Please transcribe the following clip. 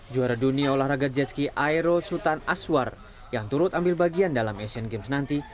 juara dunia olahraga jetski aero sultan aswar yang turut ambil bagian dalam asian games nanti